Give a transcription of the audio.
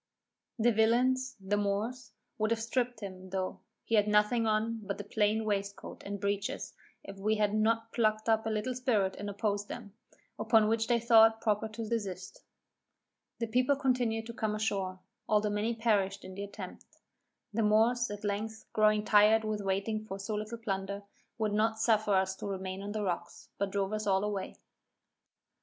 The villains, (the Moors), would have stripped him, though, he had nothing on but a plain waistcoat and breeches, if we had not plucked up a little spirit and opposed them; upon which they thought proper to desist. The people continued to come ashore, though many perished in the attempt. The Moors, at length, growing tired with waiting for so little plunder, would not suffer us to remain on the rocks, but drove us all away.